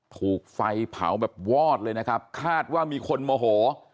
ถูกไฟเผาแบบวอดเลยนะครับคาดว่ามีคนโมโห